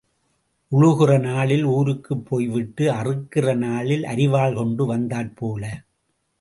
உழுகிற நாளில் ஊருக்குப் போய்விட்டு அறுக்கிற நாளில் அரிவாள் கொண்டு வந்தாற்போல்.